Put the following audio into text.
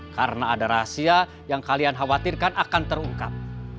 karena ada rahasia yang kalian khawatirkan akan terungkap